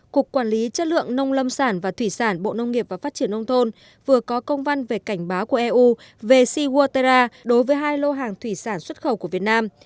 cục quản lý chất lượng nông lâm sản và thủy sản bộ nông nghiệp và phát triển nông thôn vừa có công văn về cảnh báo của eu về shiwaterra đối với hai lô hàng thủy sản xuất khẩu của việt nam